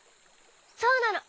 そうなの。